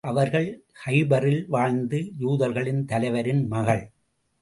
அவர் கைபரில் வாழ்ந்த யூதர்களின் தலைவரின் மகள்.